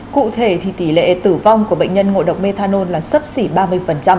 cụ thể thì tỷ lệ tử vong của bệnh nhân ngộ độc methanol là sấp xỉ ba mươi